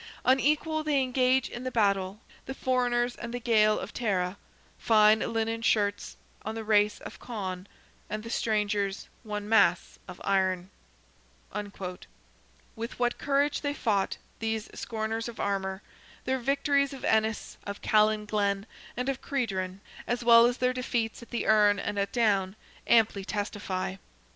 "Unequal they engage in the battle, The foreigners and the Gael of Tara, Fine linen shirts on the race of Conn, And the strangers one mass of iron." [Footnote: Port Largy, Waterford.] With what courage they fought, these scorners of armour, their victories of Ennis, of Callanglen, and of Credran, as well as their defeats at the Erne and at Down, amply testify.